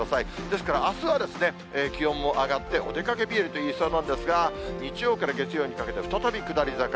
ですから、あすは気温も上がって、お出かけ日和といえそうなんですが、日曜から月曜にかけて、再び下り坂。